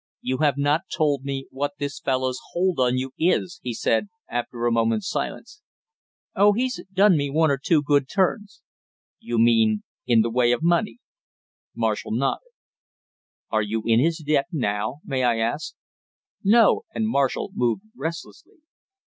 "You have not told me what this fellow's hold on you is?" he said, after a moment's silence. "Oh, he's done me one or two good turns." "You mean in the way of money?" Marshall nodded. "Are you in his debt now, may I ask?" "No," and Marshall moved restlessly.